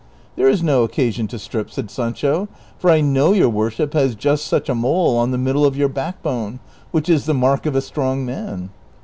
" There is no occasion to strip," said Sancho ;" for I know your worship has just such a mole on the middle of your back bone, which is the mark of a strong man."